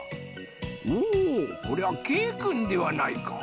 おおこりゃけいくんではないか。